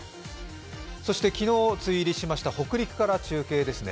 そして昨日、梅雨入りしました北陸から中継ですね。